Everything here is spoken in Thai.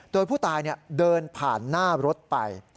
โดยผู้ตายเดินผ่านหน้ารถไป